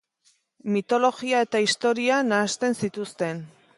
Mitologia eta historia nahasten zituzten.